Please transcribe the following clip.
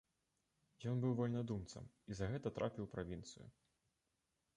Ён быў вальнадумцам і за гэта трапіў у правінцыю.